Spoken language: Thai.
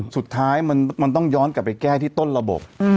สุดท้ายมันต้องย้อนกลับไปแก้ที่ต้นระบบ